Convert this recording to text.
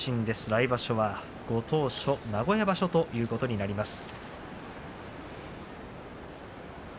来場所はご当所名古屋場所ということになります。